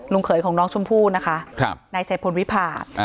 ลุงเขยของน้องชมพู่นะคะนายใจพลวิพาค